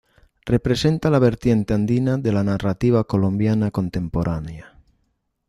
Representa la vertiente andina de la narrativa colombiana contemporánea.